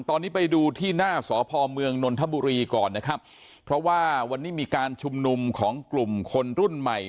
ตอนนี้ไปดูที่หน้าสพเมืองนนทบุรีก่อนนะครับเพราะว่าวันนี้มีการชุมนุมของกลุ่มคนรุ่นใหม่